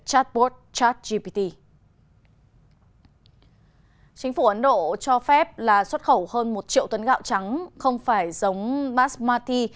chính phủ ấn độ cho phép là xuất khẩu hơn một triệu tấn gạo trắng không phải giống basmati